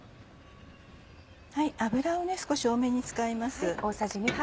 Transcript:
油を少し多めに使います。